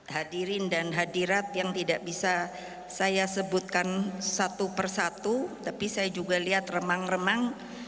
hadirin dan hadirat yang tidak bisa saya sebutkan satu persatu tapi saya juga lihat remang remang